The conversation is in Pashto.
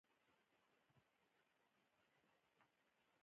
ځانله زړۀ کښې وايم